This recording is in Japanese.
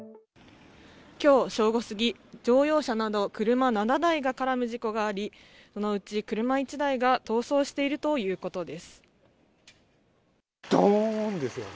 きょう正午過ぎ、乗用車など車７台が絡む事故があり、このうち車１台が逃走していどーんですよね。